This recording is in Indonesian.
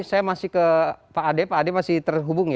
saya masih ke pak ade pak ade masih terhubung ya